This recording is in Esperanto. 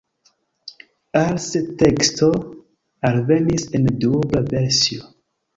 Als teksto alvenis en duobla versio.